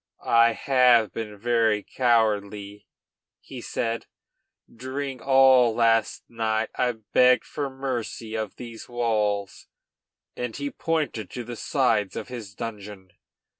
"I have been very cowardly," he said. "During all last night I begged for mercy of these walls," and he pointed to the sides of his dungeon.